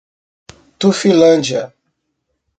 Tufilândia